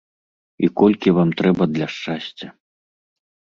І колькі вам трэба для шчасця?